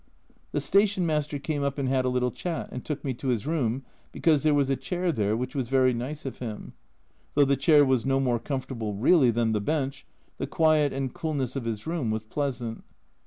The station master came up and had a little chat, and took me to his room, because there was a chair there, which was very nice of him ; though the chair was no more comfortable really than the bench, the quiet and coolness of his room was pleasant.